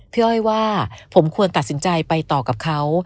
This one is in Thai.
อ้อยว่าผมควรตัดสินใจไปต่อกับเขา